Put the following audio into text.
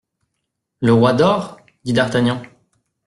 Le roi dort ? dit d'Artagnan.